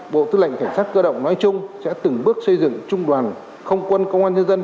bộ tư lệnh cảnh sát cơ động nói chung sẽ từng bước xây dựng trung đoàn không quân công an nhân dân